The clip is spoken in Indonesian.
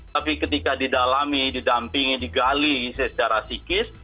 tapi ketika didalami didampingi digali secara psikis